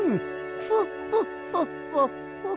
フォッフォッフォッフォッフォッ。